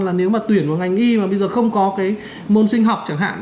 là nếu mà tuyển vào ngành y mà bây giờ không có cái môn sinh học chẳng hạn